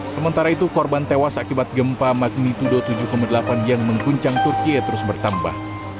sementara itu korban tewas akibat gempa magnitudo tujuh delapan yang mengguncang turkiye terus bertambah